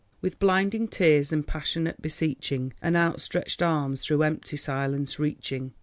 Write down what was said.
"With blinding tears and passionate beseeching, And outstretched arms through empty silence reaching."